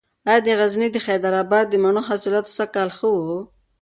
ایا د غزني د حیدر اباد د مڼو حاصلات سږکال ښه و؟